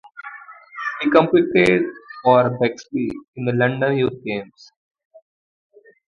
He competed for Bexley in the London Youth Games.